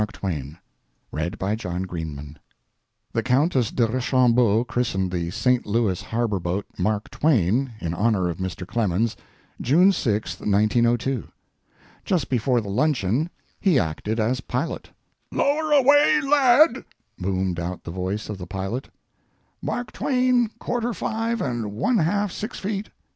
LOUIS HARBOR BOAT "MARK TWAIN" The Countess de Rochambeau christened the St. Louis harbor boat 'Mark Twain' in honor of Mr. Clemens, June 6, 1902. Just before the luncheon he acted as pilot. "Lower away lead!" boomed out the voice of the pilot. "Mark twain, quarter five and one half six feet!"